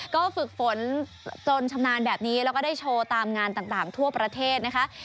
ก็ฝึกฝนจนชำนาญแบบนี้แล้วก็ได้โชว์ตามงานต่างทั่วประเทศนะคะ